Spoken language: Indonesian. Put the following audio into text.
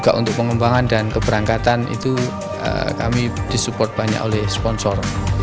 juga untuk pengembangan dan keberangkatan itu kami disupport banyak oleh sponsor